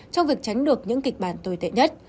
trong việc tránh được những kịch bản tồi tệ nhất